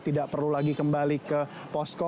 tidak perlu lagi kembali ke posko